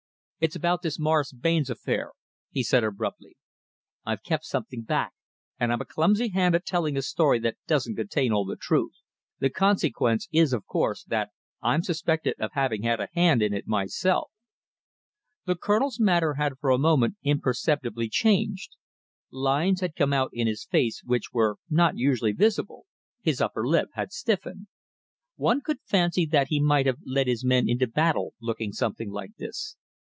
"It's about this Morris Barnes affair," he said abruptly. "I've kept something back, and I'm a clumsy hand at telling a story that doesn't contain all the truth. The consequence is, of course, that I'm suspected of having had a hand in it myself." The Colonel's manner had for a moment imperceptibly changed. Lines had come out in his face which were not usually visible, his upper lip had stiffened. One could fancy that he might have led his men into battle looking something like this.